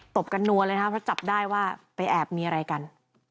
ตบกันนัวเลยนะครับเพราะจับได้ว่าไปแอบมีอะไรกัน